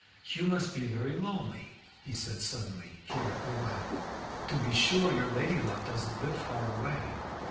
"You must be very lonely," he said suddenly, "here at Rouen. To be sure your lady love doesn't live far away."